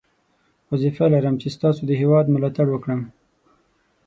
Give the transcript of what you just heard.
وظیفه لرم چې ستاسو د هیواد ملاتړ وکړم.